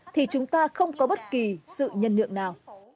thì chúng ta không có bất kỳ sự nhân nhượng nào